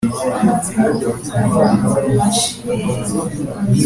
ishobora guca imanza zitabera no gutsindishiriza abemera Umwana wayo binyuze mu kwizera.